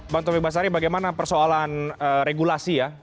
bang taufik basari bagaimana persoalan regulasi ya